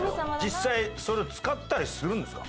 実際それを使ったりするんですか？